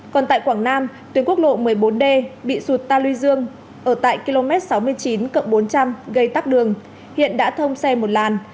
còn tại quảng nam tuyến quốc lộ một mươi bốn d bị sụt ta lưu dương ở tại km sáu mươi chín cộng bốn trăm linh gây tắc đường hiện đã thông xe một làn